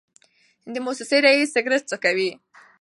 د موسسې رییس سګرټ څکوي.